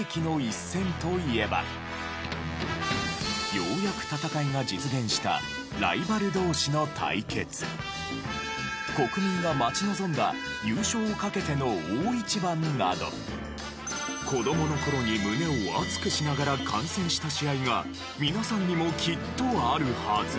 ようやく戦いが実現した国民が待ち望んだ優勝をかけての大一番など子どもの頃に胸を熱くしながら観戦した試合が皆さんにもきっとあるはず。